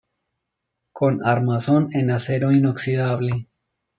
Con armazón en acero inoxidable.